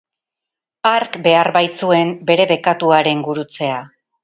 Hark behar baitzuen bere bekatuaren gurutzea.